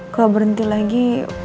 kalo berhenti lagi